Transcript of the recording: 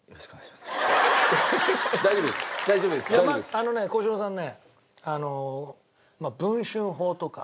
あのね幸四郎さんね。